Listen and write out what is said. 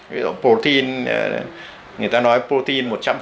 ví dụ protein người ta nói protein một trăm linh